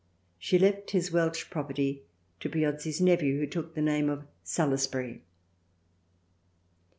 She left his Welsh property to Piozzi's nephew who took the name of Salusbury.